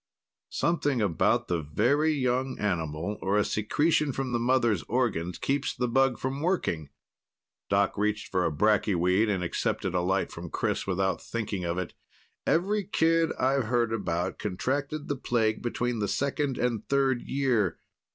"Something about the very young animal or a secretion from the mother's organs keeps the bug from working." Doc reached for a bracky weed and accepted a light from Chris without thinking of it. "Every kid I've heard about contracted the plague between the second and third year.